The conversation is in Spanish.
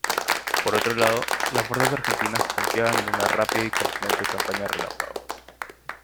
Por otro lado, las fuerzas argentinas confiaban en una rápida y contundente campaña relámpago.